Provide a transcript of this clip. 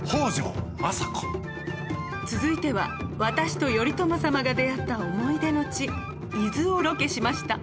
続いては私と頼朝様が出会った思い出の地伊豆をロケしました。